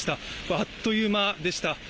あっという間でした。